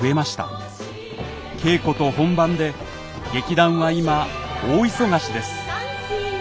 稽古と本番で劇団は今大忙しです。